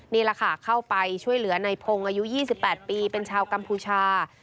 นี่แหละค่ะเข้าไปช่วยเหลือในพงศ์อายุ๒๘ปีเป็นชาวกัมพูชา